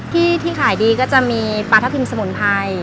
ที่ขายดีก็จะมีปลาทับทิมสมุนไพร